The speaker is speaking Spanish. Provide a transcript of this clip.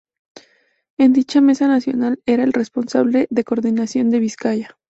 En dicha mesa nacional era el responsable de coordinación de Vizcaya.